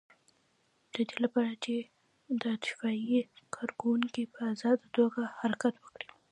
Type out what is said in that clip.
د دې لپاره چې د اطفائیې کارکوونکي په آزاده توګه حرکت وکړي.